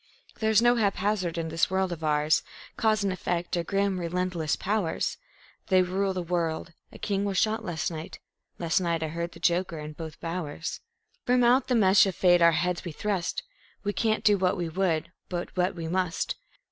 There's no haphazard in this world of ours. Cause and effect are grim, relentless powers. They rule the world. (A king was shot last night; Last night I held the joker and both bowers.) From out the mesh of fate our heads we thrust. We can't do what we would, but what we must.